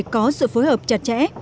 có sự phối hợp chặt chẽ